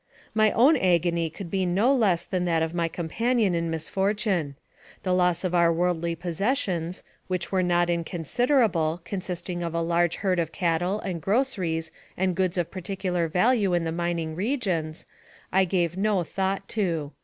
My own agony could be no less than that of my companion in misfortune. The loss of our worldy possessions, which were not inconsiderable, consisting ot a large herd of cattle, and groceries, and goods of particular value in the mining regions, I gave no thought to.